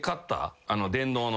電動の。